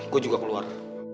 gue juga keluar